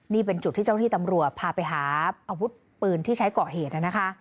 นี่เป็นจุดที่เจ้าหน้าที่ตำรวจพาไปหาอาวุธปืนที่ใช้ก่อเหตุนะคะ